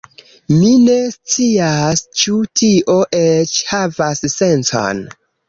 Mi ne scias, ĉu tio eĉ havas sencon